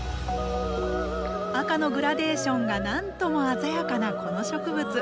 赤のグラデーションがなんとも鮮やかなこの植物。